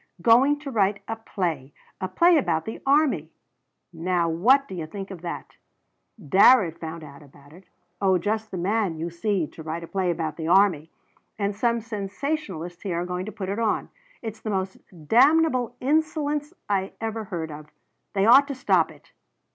"Going to write a play a play about the army! Now what do you think of that? Darrett found out about it. Oh just the man, you see, to write a play about the army! And some sensationalists here are going to put it on. It's the most damnable insolence I ever heard of! They ought to stop it."